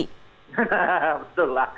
hahaha betul lah